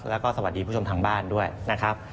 แล้วก็สวัสดีผู้ชมทางบ้านด้วยนะครับ